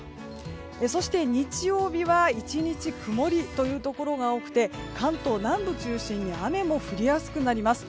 そして、日曜日は１日曇りというところが多くて関東南部中心に雨も降りやすくなります。